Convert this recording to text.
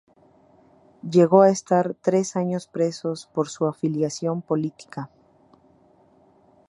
Llegó a estar tres años preso por su afiliación política.